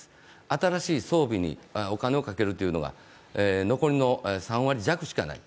新しい装備にお金をかけるというのが残りの３割弱しかない。